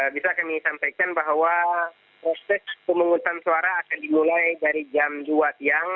bisa kami sampaikan bahwa proses pemungutan suara akan dimulai dari jam dua siang